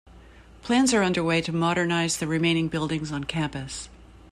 Plans are underway to modernise the remaining buildings on campus.